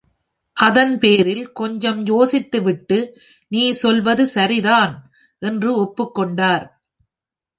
அதன் பேரில் கொஞ்சம் யோசித்துவிட்டு, நீ சொல்வது சரிதான்! என்று ஒப்புக்கொண்டார்.